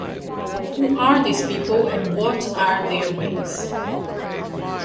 Who are these people and what are their ways?